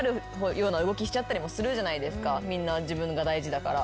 みんな自分が大事だから。